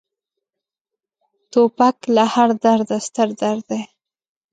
توپک له هر درده ستر درد دی.